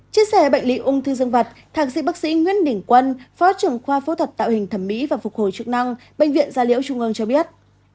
chia sẻ bệnh lý ung thư dương vật thạc sĩ bác sĩ nguyễn đình quân phó trưởng khoa phẫu thuật tạo hình thẩm mỹ và phục hồi chức năng bệnh viện gia liễu trung ương cho biết